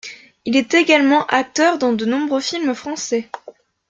Il est également acteur dans de nombreux films français.